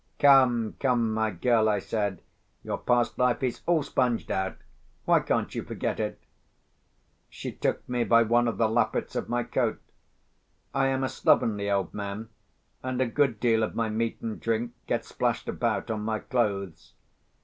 "Come, come, my girl," I said, "your past life is all sponged out. Why can't you forget it?" She took me by one of the lappets of my coat. I am a slovenly old man, and a good deal of my meat and drink gets splashed about on my clothes.